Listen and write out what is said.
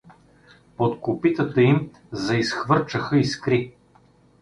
Под копитата им заизхвърчаха искри.